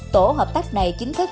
tổ hợp tác này chính thức